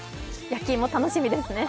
焼き芋、楽しみですね。